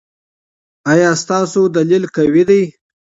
ایا ستاسو دلیل قوي دی؟